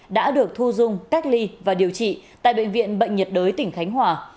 đã được thu dung cách ly và điều trị tại bệnh viện bệnh nhiệt đới tỉnh khánh hòa